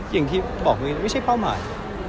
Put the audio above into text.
ยังที่บอกมันไม่ใช่ว่ามาย